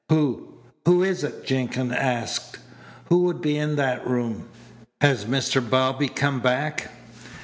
"Who who is it?" Jenkins asked. "Who would be in that room? Has Mr. Bobby come back?"